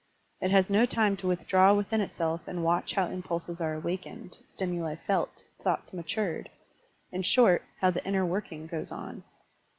It has no time to withdraw within itself and watch how impulses are awakened, stimuli felt, thoughts matured, in short, how the inner working goes on.